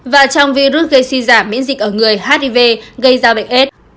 và trong virus gây suy giảm miễn dịch ở người hiv gây ra bệnh s